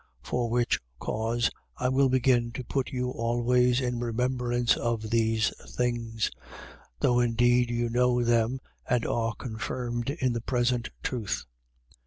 1:12. For which cause, I will begin to put you always in remembrance of these things: though indeed you know them and are confirmed in the present truth.